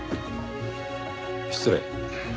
失礼。